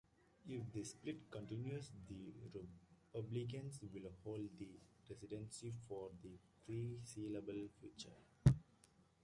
If this split continues, the Republicans will hold the Presidency for the foreseeable future.